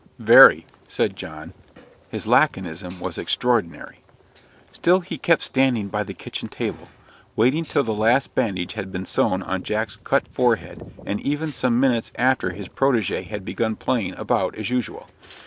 "Very," said John. His laconism was extraordinary. Still he kept standing by the kitchen table, waiting till the last bandage had been sewn on Jack's cut forehead, and even some minutes after his protege had begun playing about as usual.